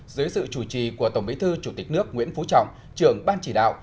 dưới sự chủ trì của tổng bí thư chủ tịch nước nguyễn phú trọng trưởng ban chỉ đạo